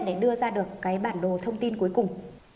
để đưa ra được cái bản đồ thông tin cuối cùng